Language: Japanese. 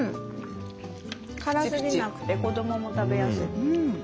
辛すぎなくて子どもも食べやすい。